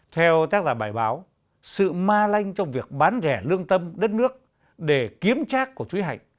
theo tác giả bài báo sự ma lanh trong việc bán rẻ lương tâm đất nước để kiếm trác của thúy hạnh